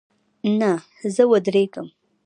نه، زه ودریږم